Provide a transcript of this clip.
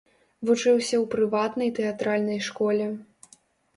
Вучыўся ў прыватнай тэатральнай школе.